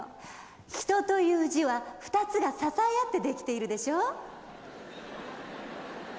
「人」という字は２つが支え合ってできているでしょう。